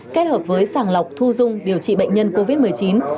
kết hợp với sàng lọc thu dung điều trị bệnh nhân covid một mươi chín